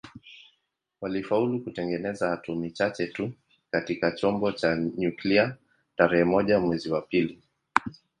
Walifaulu kutengeneza atomi chache tu katika chombo cha nyuklia tarehe moja mwezi wa pili